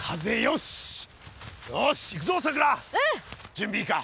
準備いいか？